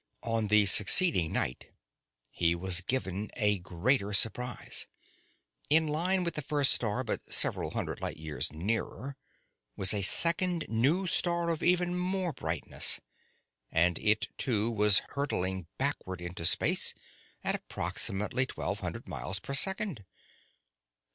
On the succeeding night, he was given a greater surprise. In line with the first star, but several hundred light years nearer, was a second new star of even more brightness. And it, too, was hurtling backward into space at approximately twelve hundred miles per second.